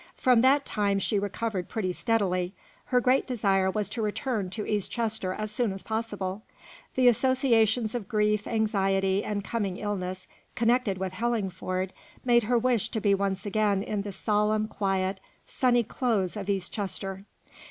From that time she recovered pretty steadily. Her great desire was to return to East Chester as soon as possible. The associations of grief, anxiety, and coming illness, connected with Hellingford, made her wish to be once again in the solemn, quiet, sunny close of East Chester.